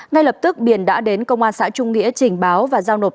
ngay lập tức biển đã đến công an xã trung nghĩa trình báo và giao nộp